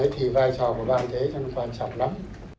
thì vai trò của ban kinh tế rất là quan trọng lắm